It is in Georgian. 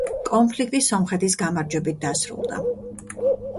კონფლიქტი სომხეთის გამარჯვებით დასრულდა.